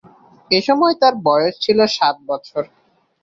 এসময় তার বয়স ছিল সাত বছর।